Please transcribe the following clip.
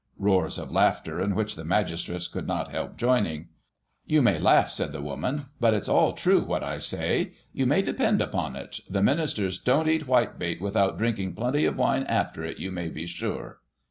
(Roars of laughter, in which the magistrates could not help joining.) " You may laugh," said the woman ;" but it's all true what I say ; you may depend upon it, the Ministers don't eat whitebait without drinking plenty of wine after it, you may be sure.